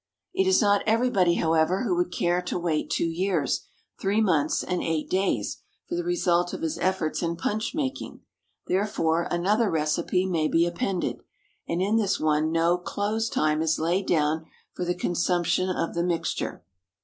It is not everybody, however, who would care to wait two years, three months, and eight days for the result of his efforts in punch making. Therefore another recipe may be appended; and in this one no "close time" is laid down for the consumption of the mixture.